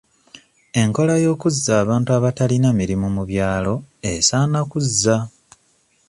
Enkola y'okuzza abantu abatalina mirimu mu byalo esaana kuzza.